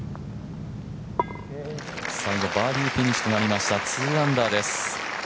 最後バーディーフィニッシュとなりました２アンダーです。